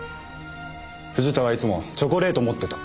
藤田はいつもチョコレートを持ってた。